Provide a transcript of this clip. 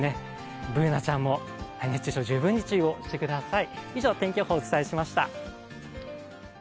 Ｂｏｏｎａちゃんも熱中症十分に注意してください。